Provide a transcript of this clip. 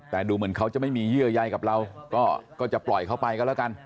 แต่ดูเหมือนเขาจะไม่มีเยื่อใยกับเราก็จะปล่อยเขาไปกันแล้วกัน